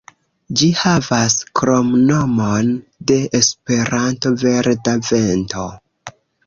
Ĝi havas kromnomon de Esperanto, "Verda Vento".